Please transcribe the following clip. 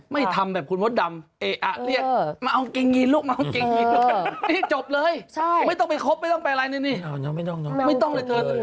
ไม่ทำแบบคุณมดดำเอ๊ะเรียกมาเอาเกงยีนลูกมาเอาเกงยีนนี่จบเลยไม่ต้องไปคบไม่ต้องไปอะไรนี่ไม่ต้องเลย